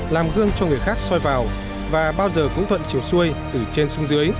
làm gương cho người khác soi vào và bao giờ cũng thuận chiều xuôi từ trên xuống dưới